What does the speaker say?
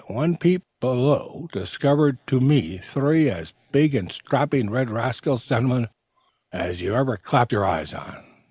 One peep below discovered to me three as big and strapping red rascals, gentlemen, as you ever clapped your eyes on!